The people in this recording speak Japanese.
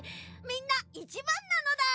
みんないちばんなのだ。